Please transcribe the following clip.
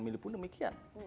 dan pemilih pun demikian